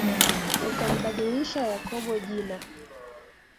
Ukambadilisha Yakobo jina.